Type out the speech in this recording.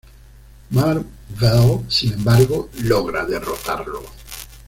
Mar-Vell, sin embargo, logra derrotarlo.